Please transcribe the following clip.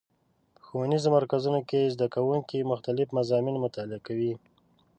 په ښوونیزو مرکزونو کې زدهکوونکي مختلف مضامین مطالعه کوي.